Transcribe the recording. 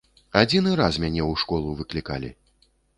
Адзіны раз мяне ў школу выклікалі.